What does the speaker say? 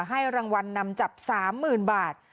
ให้รางวัลนำจับ๓๐๐๐บาท